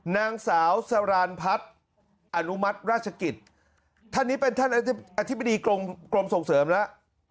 นางสาวสรานพัฒน์อนุมัติราชกิจท่านนี้เป็นท่านอธิบดีกรมส่งเสริมแล้ว